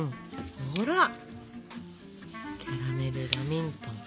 ほらキャラメルラミントン。